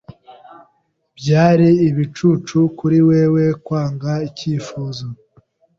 Byari ibicucu kuri wewe kwanga icyifuzo.